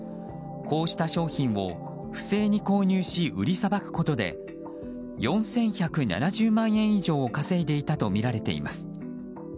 こうした商品を不正に購入し売りさばくことで４１７０万円以上を稼いでいたとみられています。